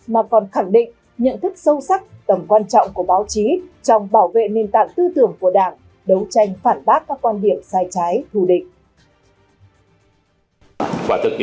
mà còn khẳng định nhận thức sâu sắc tầm quan trọng của báo chí trong bảo vệ nền tảng tư tưởng của đảng đấu tranh phản bác các quan điểm sai trái thù định